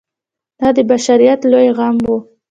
دا د بشریت لوی غم و.